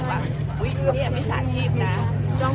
อุ้ยนี่ไม่สาชีพนะน้องบ้านเรายูพอพู้เขาเจอนั่ง